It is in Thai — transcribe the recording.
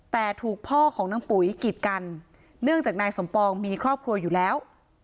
แต่ถูกพ่อของนางปุ๋ยกีดกันเนื่องจากนายสมปองมีครอบครัวอยู่แล้ว